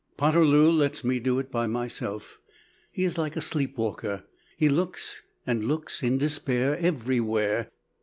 Poterloo lets me do it by myself he is like a sleepwalker. He looks, and looks in despair, everywhere.